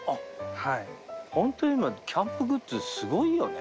ホント今キャンプグッズすごいよね。